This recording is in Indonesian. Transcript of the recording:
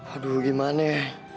aduh gimana ya